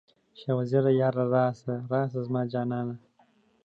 شاه وزیره یاره، راشه زما جانه؟